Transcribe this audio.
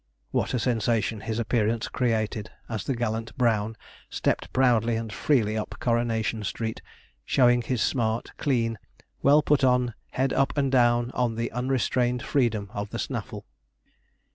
What a sensation his appearance created as the gallant brown stepped proudly and freely up Coronation Street, showing his smart, clean, well put on head up and down on the unrestrained freedom of the snaffle.